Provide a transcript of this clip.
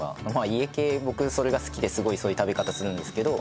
家系僕それが好きですごいそういう食べ方するんですけど